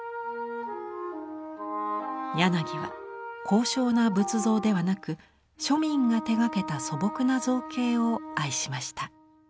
柳は高尚な仏像ではなく庶民が手がけた素朴な造形を愛しました。